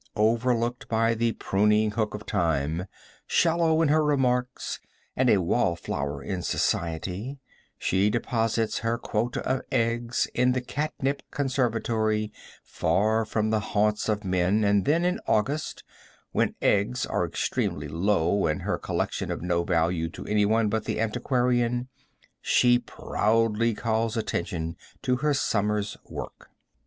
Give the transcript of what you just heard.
Overlooked by the pruning hook of time, shallow in her remarks, and a wall flower in society, she deposits her quota of eggs in the catnip conservatory, far from the haunts of men, and then in August, when eggs are extremely low and her collection of no value to any one but the antiquarian, she proudly calls attention to her summer's work.